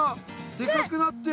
でかくなってる！